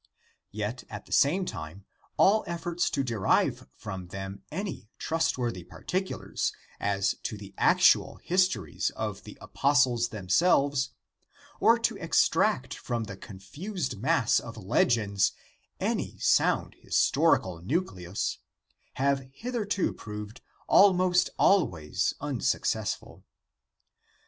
Yet, at the same time, all efforts to derive from them any trustworthy particulars as to the actual his tories of the apostles themselves, or to extract from the confused mass of legends any sound historical nucleus, have hitherto proved almost always unsuccessful.